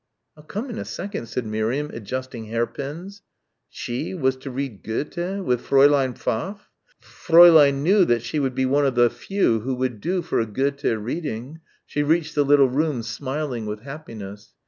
"I'll come in a second," said Miriam, adjusting hairpins. She was to read Goethe ... with Fräulein Pfaff.... Fräulein knew she would be one of the few who would do for a Goethe reading. She reached the little room smiling with happiness.